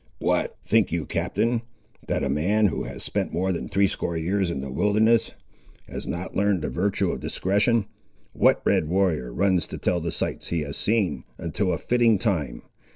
"What! think you, Captain, that a man, who has spent more than threescore years in the wilderness, has not learned the virtue of discretion. What red warrior runs to tell the sights he has seen, until a fitting time?